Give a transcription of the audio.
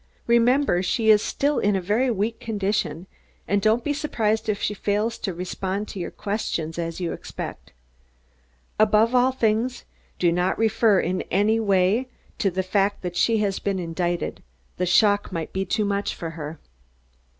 "Remember, she is still in a very weak condition and don't be surprised if she fails to respond to your questions as you expect. Above all things, do not refer in any way to the fact that she has been indicted, the shock might be too much for her."